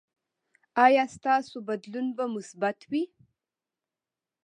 ایا ستاسو بدلون به مثبت وي؟